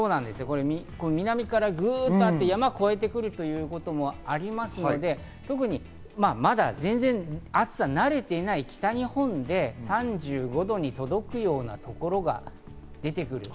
南からぐっとあって山を越えてくるということもありますので、まだ全然、暑さに慣れていない北日本で３５度に届くようなところが出てくる。